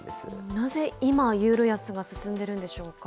なぜ今、ユーロ安が進んでるんでしょうか。